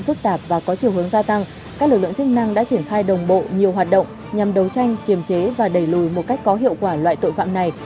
phức tạp và có chiều hướng gia tăng các lực lượng chức năng đã triển khai đồng bộ nhiều hoạt động nhằm đấu tranh kiềm chế và đẩy lùi một cách có hiệu quả loại tội phạm này